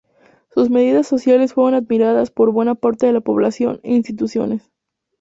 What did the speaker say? Sus medidas sociales fueron admiradas por buena parte de la población e instituciones.